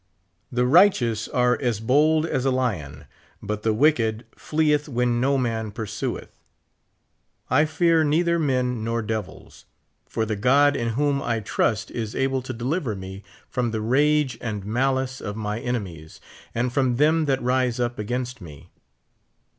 The righteous are as bold as a lion, but the wicked fleeth when no man pursueth. I fear neither men nor devils ; for the God in whom I trust is able to deliver me from the rage and malice of my ene mies, and from them that rise up against me.